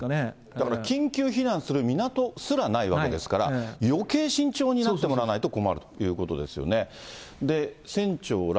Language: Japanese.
だから緊急避難する港すらないわけですから、よけい慎重になってもらわないと困るということですよね。